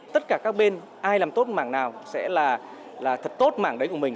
tất cả các bên ai làm tốt mảng nào sẽ là thật tốt mảng đấy của mình